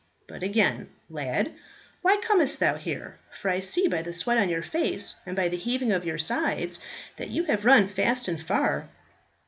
But again, lad, why comest thou here? for I see by the sweat on your face and by the heaving of your sides that you have run fast and far."